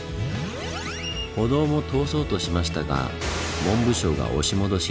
歩道も通そうとしましたが文部省が押し戻し